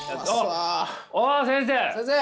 小川先生！